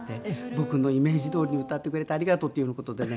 「僕のイメージどおりに歌ってくれてありがとう」っていうような事でね。